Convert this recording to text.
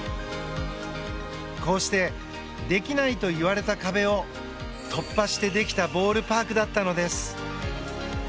こうしてできないといわれた壁を突破してできたボールパークだったのです。